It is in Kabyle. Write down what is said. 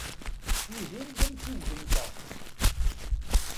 Wihin d amtiweg-nteɣ.